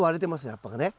葉っぱがね。